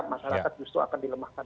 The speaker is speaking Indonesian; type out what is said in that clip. masyarakat justru akan dilemahkan